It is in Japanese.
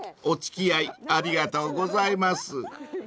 お付き合いありがとうございます］